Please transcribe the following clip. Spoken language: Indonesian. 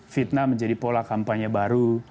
fitnah menjadi pola kampanye baru